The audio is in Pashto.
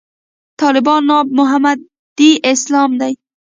طالبانو ناب محمدي اسلام دی.